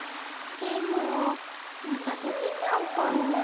でもまたとけちゃうかも。